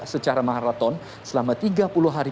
secara maraton selama tiga puluh hari